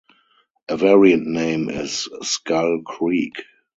A variant name is "Scull Creek".